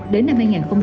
đến năm hai nghìn ba mươi